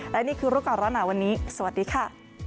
และนี่คือรู้ก่อนร้อนหนาวันนี้สวัสดีค่ะ